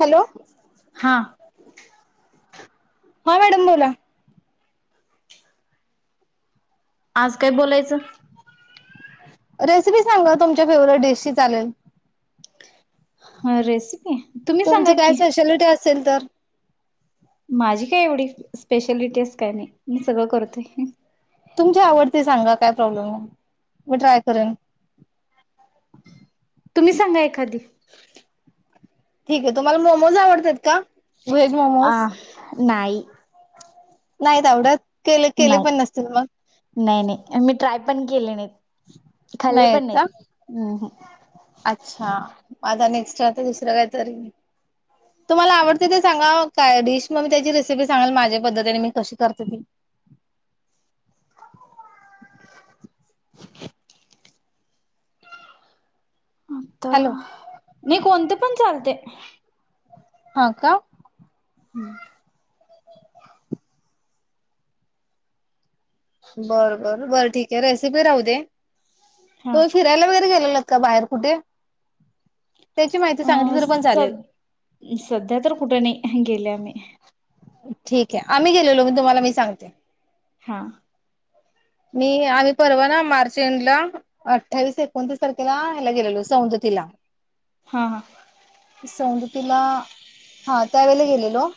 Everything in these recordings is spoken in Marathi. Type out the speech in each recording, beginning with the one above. हॅलो हा हा मॅडम बोला. आज काय बोलायचं? रेसिपी सांगा तुमच्या फेवरेट डिशची चालेल. हा रेस तुमचं काय स्पेशालिटी अस. चलतर माझी काय एवढी स्पेशालिटी अस काय नाय मी सगळं करतोय. तुमची आवडते सांगा काय प्रॉब्लेम मी ट्राय करेन. तुम्ही सांगा एखादी? ठीक आहे तुम्हाला मोमोज आवडत्यात का? व्हेज मोमोज. नाई. नाही तेवडंच नाही नाय नाय मी ट्राय. पण केले नाहीत. खाल्ले नाय येत पण नाहीत. का हम्म हम्म. अच्छा आता नेक्स्ट अच दुसरं काय तरी तुम्हाला आवडते ते सांगा काय डिश मग म त्याची रेसिपी सांगल माझ्या पद्धतीने मी कशी करते ती तो हॅलो नाही कोणती पण चालते. [inaudible] हो का? हम्म. बर बर बर. ठीक आहे रेसिपी राहु दे. हा तो फिरायला वगैरे गेलेलात. काल बाहेर कुठे? त्याची माहिती सांगितली अ तरी पण चालेल. सध सध्या तर कुठ नाय गेलेया मी. ठीक आहे आम्ही गेलोलो मी तुम्हाला मी सांगते. हा. मी आम्ही परवा ना मार्च एंड ला अठ्ठावीस एकोणतीस तारखेला ह्याला गेलेलो सौंदतीला हा हा. सौदतीला हा त्यावेेळेला गेलेलो.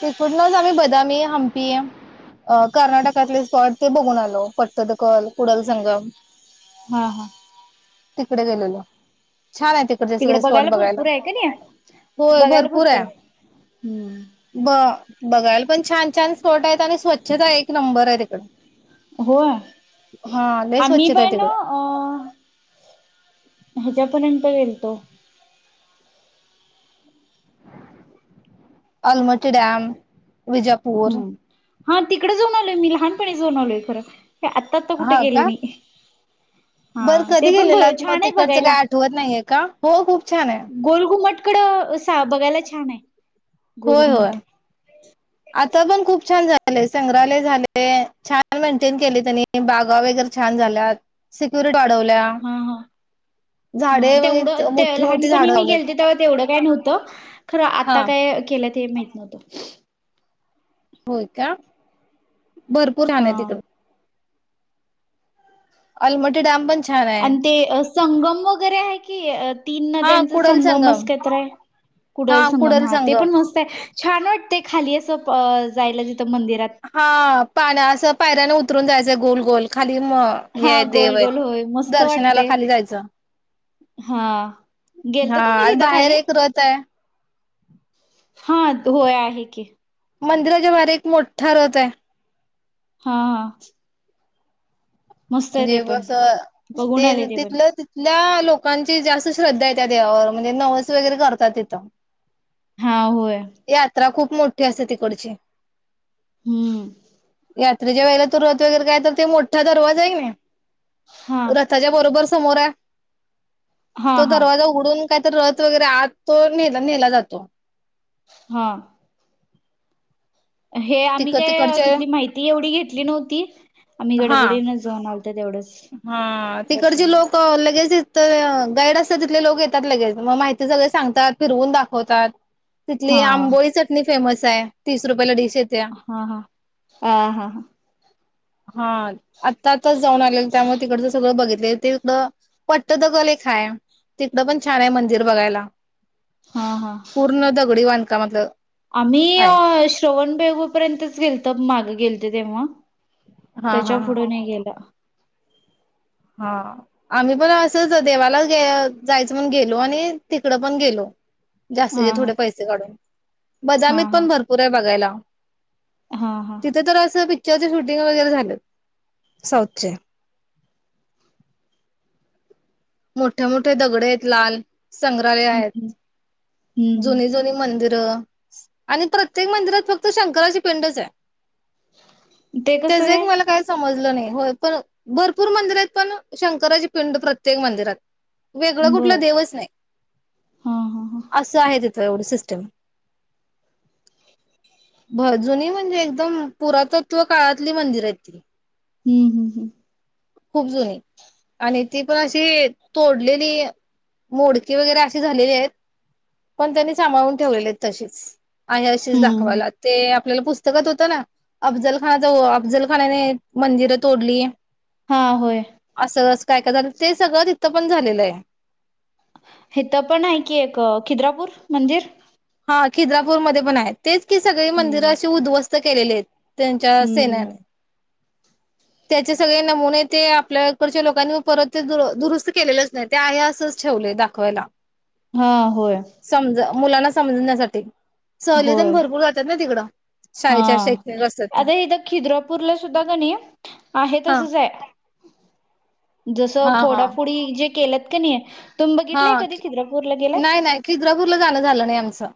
तिकुडनच आम्ही बदामी हंपी अ कर्नाटकातले स्पॉट ते बघून आल. ओ पटत द कॉल कुणाला सांगा. हा हा. तिकडे गेलेल. छान आहे तिकडचे तिकडे सगळे स्पॉट बघायला भरपूर आहे का नाही होय भरपूर आहे हम्म ब बघायला पण छान-छान. फोर्ट आहेत आणि स्वच्छता एक नंबर आय तिकड. होय हा लय आम्ही स्वच्छता आहे पण तिकड अ. हज्यापर्यंत गेल तो. [inaudible] अलमटी डॅम. विजापूर. हम्म हा तिकडे जाऊन आलोय मी लहानपणी जाऊन आलोय खरं. हे आत्ता आत्ता कुठे हा गेले का? नाही हा बर ते कधी पण गेलेलं? बर मग छान आहे तिकडचं बघायला काही आठवत नाहीये का? हो खूप छान आहे! कड साप बघायला छान आहे. होय होय गोलघुमट. आता पण खूप. छान झाले संग्रहालय झाले छान मेंटेन केले त्यांनी बागा वगैरे छान झाल्या सिक्युरिटी. वाढवल्या हा हा हा झाडे वग तेवढं ते मोठी मोठी लहानपणी झाडं मी लावल्यात गेलते तेव्हा तेवढं. काय नव्हतं. खरं आता हा काय केलं. ते माहित नव्हतो. होय का. भरपूर राण आहे हा तिकड. अलमोट डॅम पण. छान आहे आणि ते संगम वगैरे आहे. [unintelligible] तीन हा नद्यांच कुडल संगम असकत आहे कुडल संगम हा ते पण मस्त आहे. छान वाटते खाली असं जायला. तिथं मंदिरात हा पाण्या असं पायऱ्याने उतरून जायचं गोल. गोळखात. खाली हा हे देव गोल आहेत गोल होय मस्त दर्शनाला वाटते खाली जायचं हा गेलत हा तुम्ही आणि तिथं बाहेर खाली एक रथ आहे. हा होय आहे की. मंदिराच्या बाहेर एक मोठा रथ आहे. हा हा. मस्त आहे जे ते पण बस बघून आले ते ते पण तिथलं तिथल्या लोक. लोकांची जास्त श्रद्धा आहे त्या देवावर म्हणजे नवस वगैरे करतात तिथं. हा होय. यात्रा खूप मोठी असते तिकडची. हम्म. यात्रेच्या वळेला तो रथ वगैरे काय ते मोठा दरवाज आहे कणी हा [unintelligible] रथाच्या बरोबर समोर आहे. हा तो हा दरवाजा उघडून काय तर रथ वगैरे आत तो नेला नेला जातो. हा. हे आम्ही तिक काय तिकडचे तिथली माहिती एवढी घेतली नव्हती.. आम्ही हा गडबडीन जाऊन आलो. हा, तिकडचे लोक. लगेच दे तीथ गाईड असतात. तिथले लोक येतात लगेच. मग माहिती सगळे सांगतात. फिरवून दाखवतात. तिथली हा आंबोळी चटणी फेमस आहे. तीस रुपये डि हा हा. अं हा हा. हा. आत्ता - आत्ताच जाऊन आले [unintelligible] हो बघितलंय तिथं पठ्ठथकल एक हाय. तिथं पण छान आहे मंदिर बघायला. हा हा पूर्ण दगडी बां कामातलं. आम्ही श्रवण बेळगोळ पर्यंतच गेलत, मागे गेल [unintelligible] तेव्हा हा हा त्याच्या हा पुढे नाही गेला. हा, आम्ही पण असंच देवालाच गे... जायचं म्हणून गेलो आणि तिकडं पन गेलो. हा जास्तीचे थोडे हा पैसे काढून. हा बदामीत पण हा भरपूर हाय बगायला. हा हा. [inaudible] तिथे तर असं, पी पिक्चर चे शूटिंग वैगरे झालेत. साऊथचे. मोठ्या मोठे दगड आहेत लाल. संग्रहालय आहेत. हम्म हम्म जुनी हम्म जुनी मंदिरं. आणि प्रत्येक मंदिरात फक्त शंकराची पिंडच हाय. ते कसं त्याज एक काय मला काही समजलं नाही. होय पण भरपूर मंदिर आहेत पन शंकराची पिंड प्र त्येक मंदिरात. वेगळं कुठलं बर देवच नाही. हा हा हा. असं आहे. तेवढी सिस्टीम. हो, जुनी म्हणजे एकदम पुरातत्व कळतली मंदिर हायत ती. हम्म हम्म हम्म खूप जुनी. आणि ती पण अशी, तोडलेली, मोडकी वैगरे अशी झालेली आहेत पन त्यांनी संभाळून ठेवलेली आहेत तशीच. आहे अशीच हम्म हम्म दाखवायला, ते आप आपल्याला पुस्तकात होतं ना! अफजलखान वो अफजलखांनाने मंदिर तोडली. हा, होय. असंच ते सगळं तिथं पन झालेलं आहे. हित पन हाय कीं एक, खिद्रापूर मंदिर. हा, खिद्रापूर मध्ये पन हायत. तेच कि, सगळी मंदिर हम्म. अशी उध्वस केलेले त्यांच्या हम्म सैन्याने त्याचे सगळे नमुने ते आपल्याकडच्या लोकांनी परत ते दुरुस्त केलेलेच नाय ते हाय असच ठेवलंय, दाखवायला. हा होय समजा, मुलांनाच ण्यासाठी सहली ते न, होय भरपूर जात्यात ना तिकडं. हा शाळेच्या शैक्षणिक असतात त्या. आरे इथं खिद्रापूरला सुद्धा कां नई हे हा तसंच आहे. जस हा हा फोडाफोडी जे केल्यात [unintelligible] हा. कधी खिद्रापूरला गेलाय? नाही नाही खिद्रापूरला जाणं झालं नाही आमचं.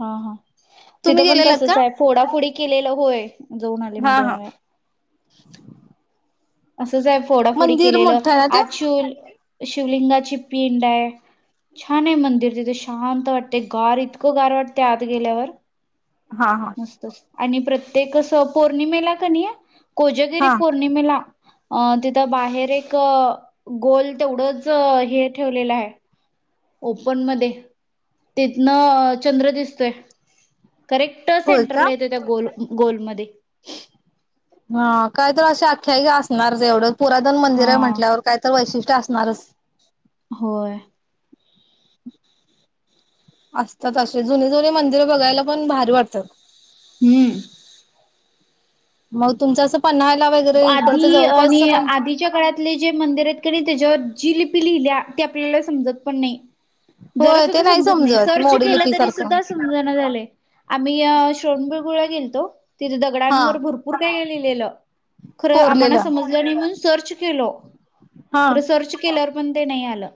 हा हा तुम्ही तिथं पण गेलेलात का? तसच आहे फोडाफोडी केलेलं होय. जाऊन आले मी. हा हा. दोन वेळा. तुझं हाय फोडाफोडी मंदिर केलेलं. मोठं आहे ना ते? ऍक्च्युल शिवलिंगाची पिंड आहे. छान आहे मंदिर तिथे शांत वाटते. गार, इतकं गार वाटते आत गेल्यावर. हा हा मस्त आणि प्रत्येक अस पौर्णिमेला क नई? कोजगिरी हा पौर्णिमेला. अ तिथं बाहेर एक गोल तेवढंच हे ठेवलेलं आहे. ओपन मध्ये, तितन चंद्र दिसतंय. करेक्ट होय का? सेंटरला येतो त्या गोल गोलमध्ये. हा काय तर अशी आख्यायिका असणार जे एवढं पुराधन मंदिर आहे हा म्हटल्यावर काय तर वैशिष ते असणारच. होय. असतात अशी जुनीजुनी मंदिर बगायला पन भारी वाटतात. हं. मग तुमच्यात आधी आणि आधीच्या काळातले जे मंदिर आहेत कणी त्याच्यावर जी लि लिहिल्या ते आपल्याला समजत पण नाही. जरा होय सुद्धा ते समजत नाही सर्च मोडी केलं लिपी तरी सारखं सुद्धा समजना झालय. आम्ही सोणबळ गुळ गेलतो. तिथे हा दगडांवर भरपूर काय काय लिहिलेलं. खरं आम्हाला कोरलेलं. समजलं नाही म्हण. सर्च केलो. हा. खर सर्च केल्या. पण ते नाही आलं.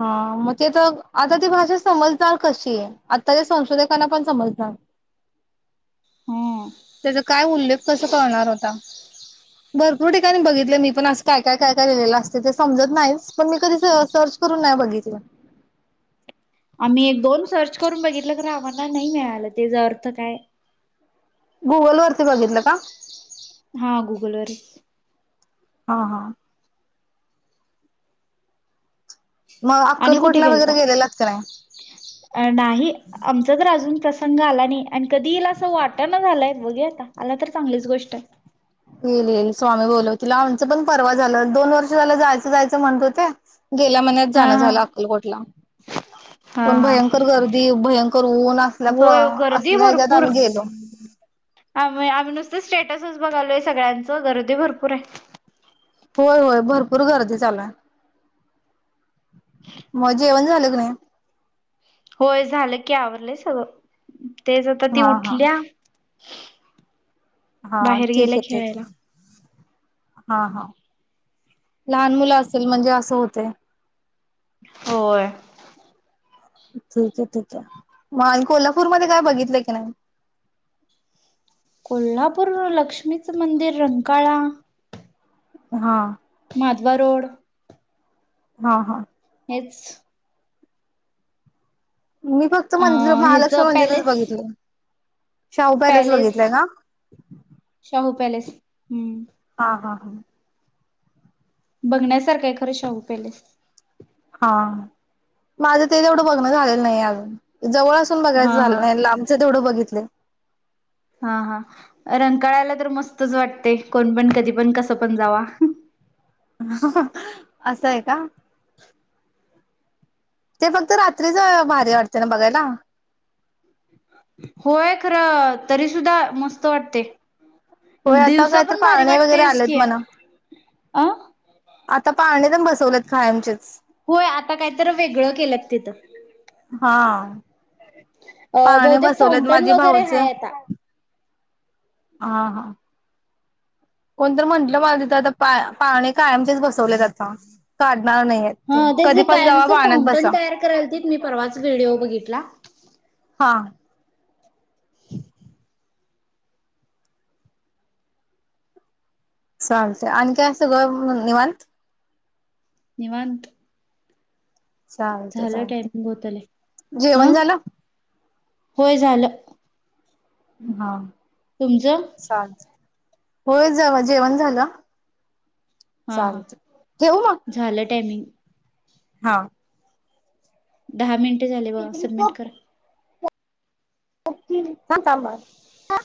हा मग ते तर आता ती भाषा समजणार कशी आता ते संशोधकांना पण समजणार हा त्याचा काय उल्लेख कसं कळणार होता. भरपूर ठिकाणी बघितलं मी पण असं काय काय काय काय लिहिलेलं असते ते समजत नाहीच पण मी कधी सर्च करून नाही बघितलं आम्ही एक दोन सर्च करून बघितलं खरं आम्हाला नाही मिळालं त्याचा अर्थ काय गुगल वरती बघितलं का हा गुगलवर ती. हा हा. मग आणि कुठे अक्कलकोटला गेलता. वगैरे गेलेलात का नाही? नाही आमच तर अजून प्रसंग आला नाही आणि कधीला असं वाट ना झालंय बघूया आता आला तर चांगलीच गोष्ट आहे. हो येईल स्वामी बोलवतिल आमचं पण परवा झालं दोन वर्ष झालं जायचं जायचं म्हणत होते. गेल्या महिन्यात हा जाण हा झालं अक्कलकोट. शिकला. हा पण हा भयंकर गर्दी. भयंकर. उन्ह असल्या होय गर्दी असल्या हयाच्यात भरपूर आम्ही गेलो आम्ही आम्ही नुसतं स्टेटसच बघायलोय सगळ्यांच गर्दी भरपूर हाय. होय होय भरपूर गर्दी चालू हाय. मग येवण झालं की नाही. होय झालं की आवरलंय सगळं. तेच आता ती हा हा उठल्या हा बाहेर ठीक गेल्या आहे ठीक आहे. खेळायला. हा हा लहान मुलं असेल म्हणजे असं होतय होय ठीक आहे ठीक आहे म आणि कोल्हापूरमध्ये काय बघितलं की नाही कोल्हापूर लक्ष्मीचं मंदिर रंकाळा हा हातबा रोड हा हा एच मी फक्त अ मंदिर हेच महालक्ष्मी मंदिर च पॅलेस बघितलंय शाहू पॅलेस बघितलंय का? शाहू पॅलेस हम्म ह हा हा बघण्यासारखं आहे खरं शाहू पॅलेस हा माझं ते तेवढं बघण झालेलं नाही अजून जवळ असून बघायचं हा झालं नाही लांबच तेवढं बघितलय हा हा रंकाळ्याला तर मस्तच वाटते कोण पण कधी पण कसं पण जावा असंय हाय का [inaudible] ते फक्त रात्रीच अ भारी वाटतय ना बघायला होय खरं तरी सुुद्धा मस्त वाटतय होय आता काय तर पाळणे वगैरे आलेत म्हणं आ आता पाळणे पण बसवलेत कायमचे होय आता काहीतरी वेगळं केलं तिथ हा पाळणे बहुतेक बसवलेत फाउंटन माझे वगैरे भाऊच. आहे आता हा हा कोणतर म्हटलं मला तिथं आता पाळणे कायमचेच बसवलेत आता काढ नाही नाहीय ते हा तेच कधी की पण जावा कायमचं पाळण्यात फाउंटन बसा तयार करायलतीत मी, परवाच व्हिडिओ बघितला हा चालतेय आणखीन सगळ निवांत? निवांत चालत, झालं चालत, टायमिंग होत आलंय. हा जेवण झालं? होय झालं हा तुमचं चालतंय होय जावं जेवण झालं हा हा चालतंय ठेवू मग? झालं टायमिंग हा दहा मिनिट झाल बा सबमिट कर थांब थांब बाळा